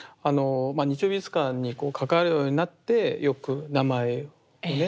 「日曜美術館」に関わるようになってよく名前をね